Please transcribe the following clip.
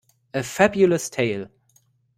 A fabulous tale.